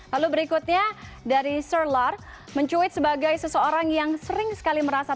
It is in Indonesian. lalu berikutnya dari sir lar mencuit sebagai seseorang yang sering sekali merasakan